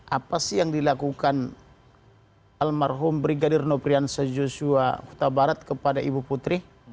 apa sih yang dilakukan almarhum brigadir noprian sajjuswa kutabarat kepada ibu putri